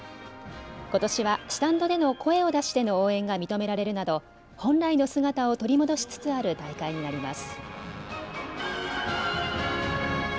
ことしはスタンドでの声を出しての応援が認められるなど本来の姿を取り戻しつつある大会になります。